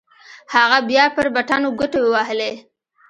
هغه بيا پر بټنو گوټې ووهلې.